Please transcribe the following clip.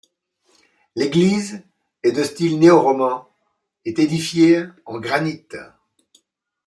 L'église est de style néo-roman et édifiée en granit.